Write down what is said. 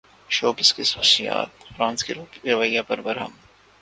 showbiz شخصیات France کے رویے پر برہم